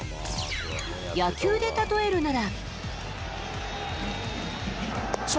野球でたとえるなら。